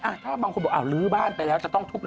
ถ้าบางคนบอกลื้อบ้านไปแล้ว